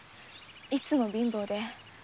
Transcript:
いつも貧乏で。